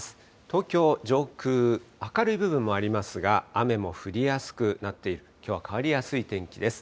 東京上空、明るい部分もありますが、雨の降りやすくなって、きょうは変わりやすい天気です。